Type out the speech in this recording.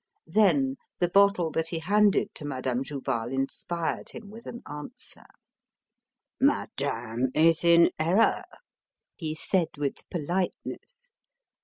Then the bottle that he handed to Madame Jouval inspired him with an answer. "Madame is in error," he said with politeness.